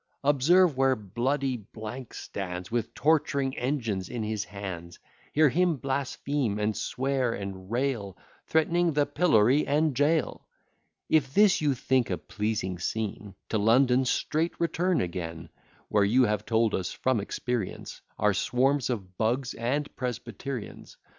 Observe where bloody stands With torturing engines in his hands, Hear him blaspheme, and swear, and rail, Threatening the pillory and jail: If this you think a pleasing scene, To London straight return again; Where, you have told us from experience, Are swarms of bugs and presbyterians.